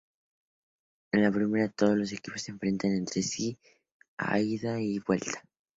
En la primera, todos los equipos se enfrentan entre sí a ida y vuelta.